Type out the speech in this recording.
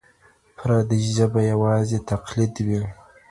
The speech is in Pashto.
پردۍ ژبه يوازې تقليد وي.